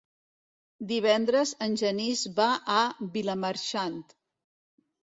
Divendres en Genís va a Vilamarxant.